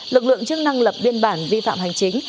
lực lượng chức năng lập biên bản vi phạm hành chính